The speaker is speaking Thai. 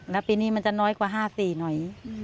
แล้วปีนี้มันจะน้อยกว่า๕๔หน่อย